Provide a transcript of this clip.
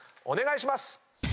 お願いします！